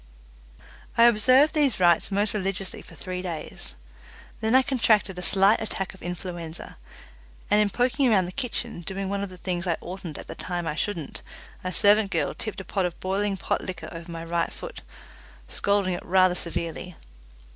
I observed these rites most religiously for three days. Then I contracted a slight attack of influenza, and in poking around the kitchen, doing one of the things I oughtn't at the time I shouldn't, a servant girl tipped a pot of boiling pot liquor over my right foot, scalding it rather severely.